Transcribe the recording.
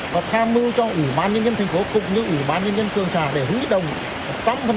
và tham mưu cho ủy ban nhân dân thành phố cũng như ủy ban nhân dân cường sản để hủy động một trăm linh cán bộ tiến sĩ